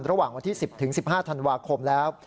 ระหว่างวันที่๑๐๑๕ธันวาคมแล้ว